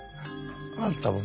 あんたも。